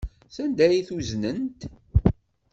Sanda ay t-uznent?